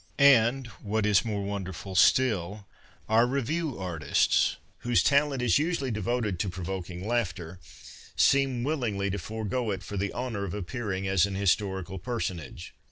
And, what is more wonderful still, our revue artists, whose talent is usually devoted to pro voking laughter, seem willingly to forgo it for the honour of appearing as an historical personage.